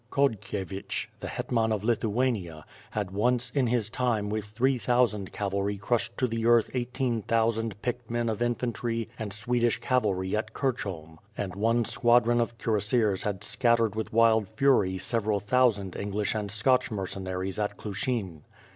Khodkievich, the hetman of Lithuania, had once, in his time with three thousand cavalry crushed to the earth eighteen thousand picked men of infantry and Swedish cav alry at Kirchholm, and one squadron of cuirassiers had scat tered with wild fury several thousand P^nglish and Scotch mercenaries at Klushin.